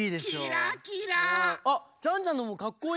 キラキラ！あジャンジャンのもかっこいい！